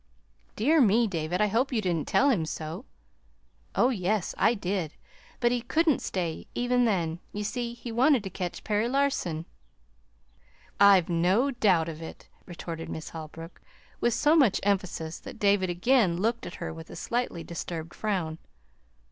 "Dear me, David, I hope you didn't tell him so." "Oh, yes, I did. But he couldn't stay, even then. You see, he wanted to catch Perry Larson." "I've no doubt of it," retorted Miss Holbrook, with so much emphasis that David again looked at her with a slightly disturbed frown.